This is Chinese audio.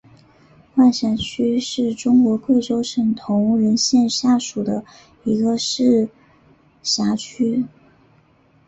万山区是中国贵州省铜仁市下属的一个市辖区。